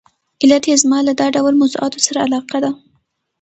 علت یې زما له دا ډول موضوعاتو سره علاقه ده.